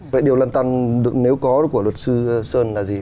vậy điều lăn tăn nếu có của luật sư sơn là gì